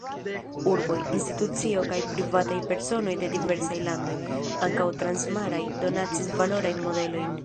Urboj, institucioj kaj privataj personoj de diversaj landoj, ankaŭ transmaraj, donacis valorajn modelojn.